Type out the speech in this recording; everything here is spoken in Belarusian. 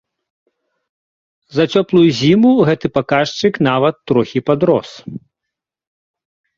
За цёплую зіму гэты паказчык нават трохі падрос.